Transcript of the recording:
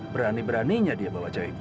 berani beraninya dia bawa jahit